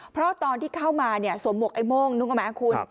เพราะตอนที่เข้ามาสวมหวกไอ้โม่งนึกออกไหมคุณ